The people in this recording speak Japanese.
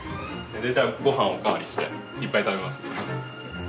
大体ごはんをお代わりしていっぱい食べますね。